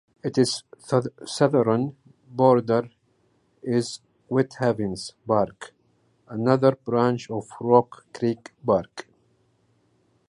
Its southern border is Whitehaven Park, another branch of Rock Creek Park.